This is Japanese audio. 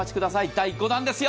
第５弾ですよ。